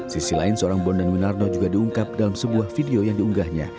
sisi lain seorang bondan winarno juga diungkap dalam sebuah video yang diunggahnya